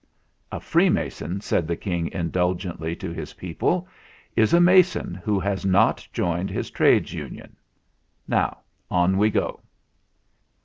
"A free mason," said the King, indulgently to his people, "is a mason who has not joined his Trades Union. Now on we go."